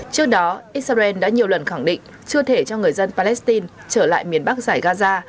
trước đó israel đã nhiều lần khẳng định chưa thể cho người dân palestine trở lại miền bắc giải gaza